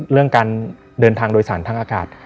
เรื่องการเดินทางโดยสารทางอากาศ